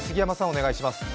お願いします。